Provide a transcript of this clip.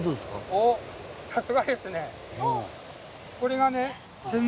おっさすがですね。